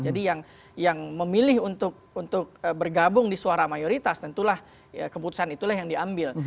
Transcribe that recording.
jadi yang memilih untuk bergabung di suara mayoritas tentulah keputusan itulah yang diambil